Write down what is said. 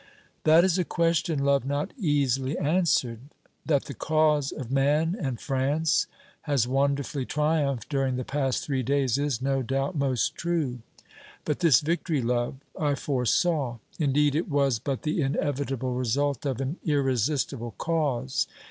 "That is a question, love, not easily answered. That the cause of man and France has wonderfully triumphed during the past three days is, no doubt, most true. But this victory, love, I foresaw. Indeed, it was but the inevitable result of an irresistible cause.